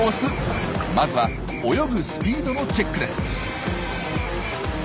まずは泳ぐスピードのチェックです。